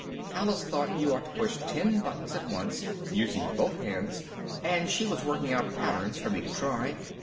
Alice thought you ought to push ten buttons at once, using both hands, and she was working out patterns for me to try.